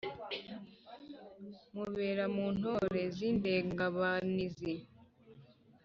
mubera mu ntore z'indengabanizi